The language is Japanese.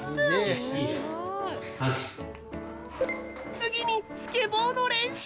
次にスケボーの練習！